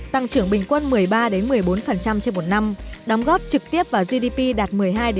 tăng trưởng bình quân một mươi ba một mươi bốn trên một năm đóng góp trực tiếp vào gdp đạt một mươi hai một mươi bốn